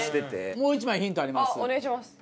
もう１枚ヒントあります。